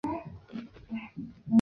卷盔鲨属是角鲨科下的一属鲨鱼。